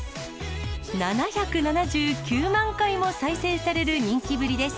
７７９万回も再生される人気ぶりです。